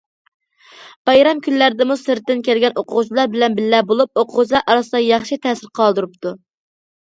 بايرام كۈنلەردىمۇ سىرتتىن كەلگەن ئوقۇغۇچىلار بىلەن بىللە بولۇپ، ئوقۇغۇچىلار ئارىسىدا ياخشى تەسىر قالدۇرۇپتۇ.